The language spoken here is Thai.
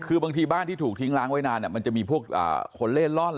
คือบางทีบ้านที่ถูกทิ้งล้างไว้นานมันจะมีพวกคนเล่นร่อน